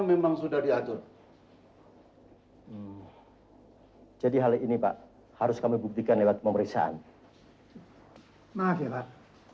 memang sudah diatur jadi hal ini pak harus kami buktikan lewat pemeriksaan maaf ya pak